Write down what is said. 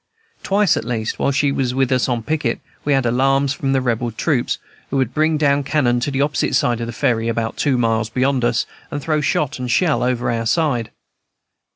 Twice, at least, while she was with us on picket, we had alarms from the Rebel troops, who would bring down cannon to the opposite side of the Ferry, about two miles beyond us, and throw shot and shell over upon our side.